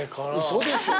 嘘でしょ。